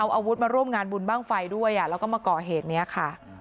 อาวุธมาร่วมงานบุญบ้างไฟด้วยแล้วก็มาก่อเหตุนี้ค่ะ